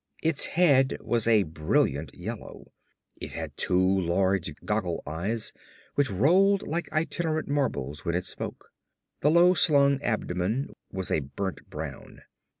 Its head was a brilliant yellow. It had two large goggle eyes which rolled like itinerant marbles when it spoke. The low slung abdomen was a burnt brown.